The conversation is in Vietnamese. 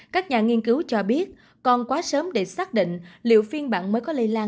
các nhà nghiên cứu cho biết còn quá sớm để xác định liệu phiên bản mới có lây lan